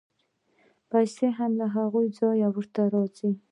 پیسې هم له هغه ځایه ورته راځي.